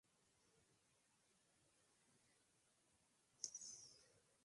Una visita al Jet Propulsion Laboratory le dio el deseo de estudiar astronomía.